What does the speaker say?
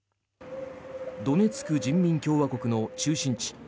ドネツク人民共和国の中心地